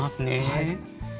はい。